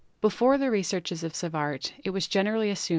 Before the researches of Savart it was generally as Fig.